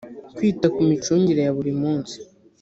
kwita ku mi cungire ya buri munsi